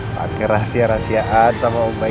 pakai rahasia rahasiaan sama om